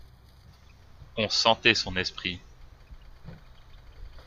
On sentait son esprit.